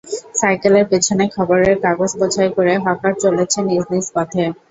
সাইকেলের পেছনে খবরের কাগজ বোঝাই করে হকার চলেছে নিজ নিজ পথে।